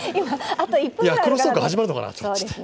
クロストーク始まるのかなと思っちゃった。